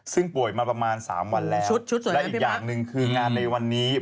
ซึ่งป่วยมาประมาณ๓วันแล้วและอีกอย่างหนึ่งคืองานในวันนี้